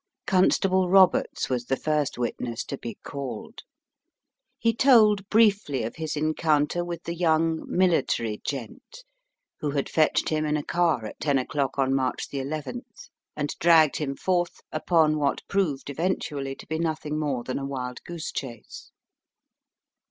Constable Roberts was the first witness to be called. He told, briefly, of his encounter with the young "military gent," who had fetched him in a car at 10 o'clock on March 11th, and dragged him forth upon what proved eventually to be nothing more than a wild goose chase.